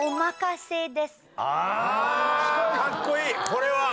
これは。